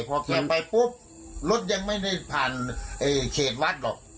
พอแข่งไปปุ๊บรถยังไม่ได้ผ่านเขตวัดหรอก